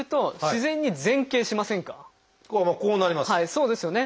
そうですよね。